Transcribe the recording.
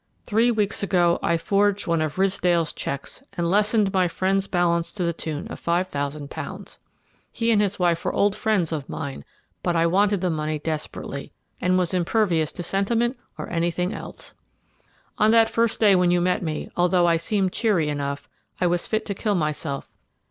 Three weeks ago I forged one of Ridsdale's cheques and lessened my friend's balance to the tune of five thousand pounds. He and his wife were old friends of mine, but I wanted the money desperately, and was impervious to sentiment or anything else. On that first day when you met me, although I seemed cheery enough, I was fit to kill myself.